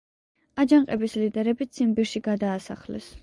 აჯანყების ლიდერები ციმბირში გადაასახლეს.